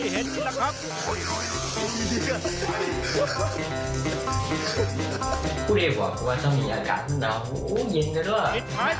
เห็นความจริงด้วยเย่